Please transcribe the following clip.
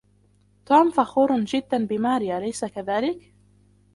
توم فخور جدا بماري أليس كذلك؟